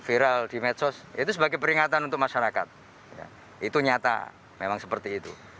itu sebagai peringatan untuk masyarakat itu nyata memang seperti itu